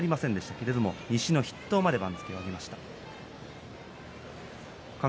それでも西の筆頭まで番付を上げてきました。